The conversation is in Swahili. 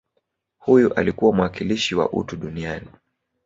Huyu alikuwa mwakilishi wa utu duniani